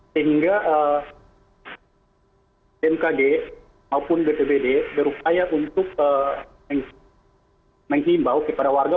sehingga bmkg maupun bpbd berupaya untuk menghimbau kepada warga